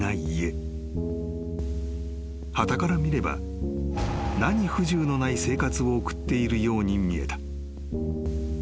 ［はたから見れば何不自由のない生活を送っているように見えた］